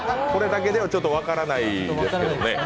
これだけではちょっと分からないですけどね。